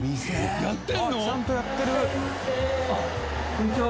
こんにちは。